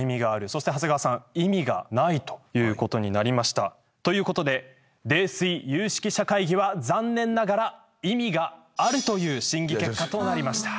そして長谷川さん意味がないということに。ということで泥酔有識者会議は残念ながら意味があるという審議結果となりました。